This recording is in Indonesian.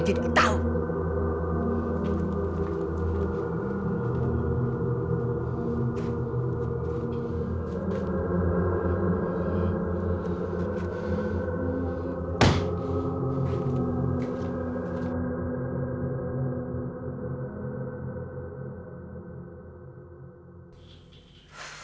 tidak tidak aku akan berdiri